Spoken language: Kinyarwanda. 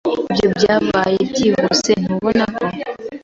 Ibyo byabaye byihuse, ntubona ko?